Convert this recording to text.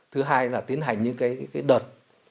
thứ hai là tiến hành những cái đợt